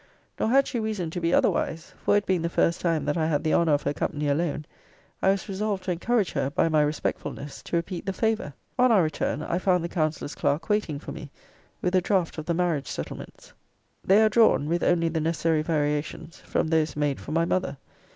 Nor had she reason to be otherwise: for it being the first time that I had the honour of her company alone, I was resolved to encourage her, by my respectfulness, to repeat the favour. On our return, I found the counsellor's clerk waiting for me, with a draught of the marriage settlements. They are drawn, with only the necessary variations, from those made for my mother.